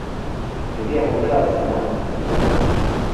Quería volver al escenario, lo extrañaba.